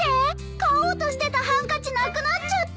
買おうとしてたハンカチなくなっちゃった。